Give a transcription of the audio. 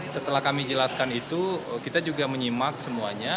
setelah kami jelaskan itu kita juga menyimak semuanya